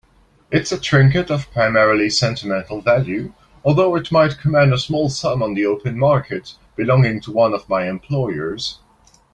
It's a trinket of primarily sentimental value, although it might command a small sum on the open market, belonging to one of my employers.